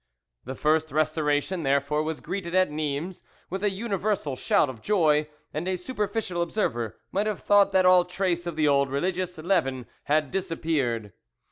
The first Restoration, therefore, was greeted at Nimes with a universal shout of joy; and a superficial observer might have thought that all trace of the old religious leaven had disappeared.